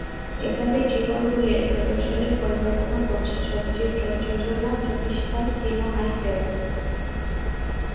এভাবেই জীবন ঢুলীর প্রদর্শনীর পরিকল্পনা করছে ছবিটির প্রযোজনা প্রতিষ্ঠান কিনো-আই ফিল্মস।